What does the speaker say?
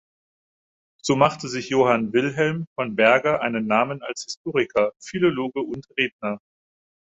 So machte sich Johann Wilhelm von Berger einen Namen als Historiker, Philologe und Redner.